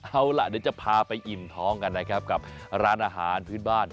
เอาล่ะเดี๋ยวจะพาไปอิ่มท้องกันนะครับกับร้านอาหารพื้นบ้าน